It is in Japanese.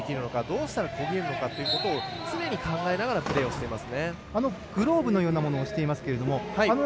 どうしたらこげるのかということを常に考えながらプレーしています。